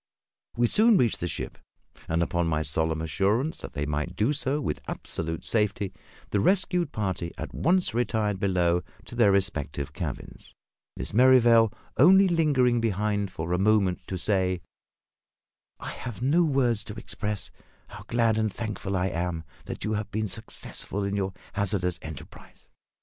We soon reached the ship, and, upon my solemn assurance that they might do so with absolute safety, the rescued party at once retired below to their respective cabins; Miss Merrivale only lingering behind for a moment to say "I have no words to express how glad and thankful I am that you have been successful in your hazardous enterprise.